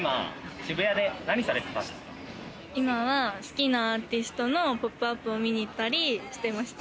今は好きなアーティストのポップアップを見に行ったりしてました。